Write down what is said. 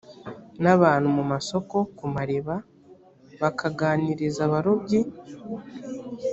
n abantu mu masoko ku mariba bakaganiriza abarobyi